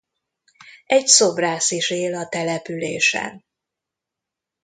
Egy szobrász is él a településen.